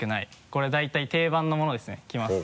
これ大体定番のものですねきます。